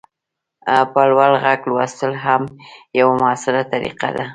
په لوړ غږ لوستل هم یوه مؤثره طریقه ده.